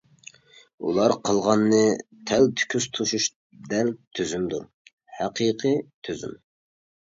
ئۇلار قىلغاننى تەلتۆكۈس توسۇش دەل تۈزۈمدۇر، ھەقىقىي تۈزۈم.